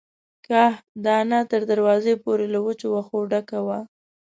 کاه دانه تر دروازې پورې له وچو وښو ډکه وه.